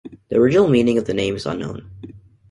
The original meaning of the name is unknown.